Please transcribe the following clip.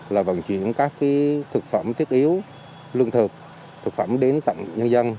là vận chuyển các thực phẩm thiết yếu lương thực thực phẩm đến tận nhân dân